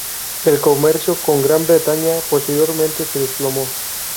El comercio con Gran Bretaña posteriormente se desplomó.